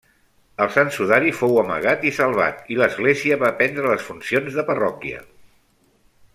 El sant sudari fou amagat i salvat, i l'església va prendre les funcions de parròquia.